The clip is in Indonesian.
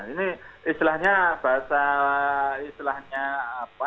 ini istilahnya bahasa istilahnya apa